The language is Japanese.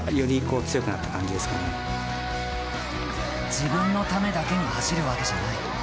自分のためだけに走るわけじゃない。